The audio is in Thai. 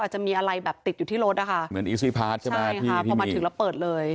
อาจจะมีอะไรแบบติดอยู่ที่รถอ่ะค่ะเหมือนใช่ค่ะพอมาถึงแล้วเปิดเลย